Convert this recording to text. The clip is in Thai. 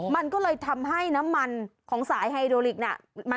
มันก็เลยทำให้น้ำมันของสายไฮโดริกน่ะ